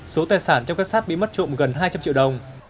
số tài sản trong các sát bị mất trộm gần hai trăm linh triệu đồng